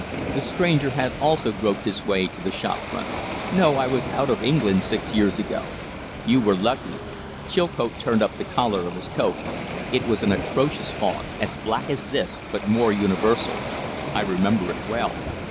The stranger had also groped his way to the shopfront. "No, I was out of England six years ago." "You were lucky." Chilcote turned up the collar of his coat. "It was an atrocious fog, as black as this, but more universal. I remember it well.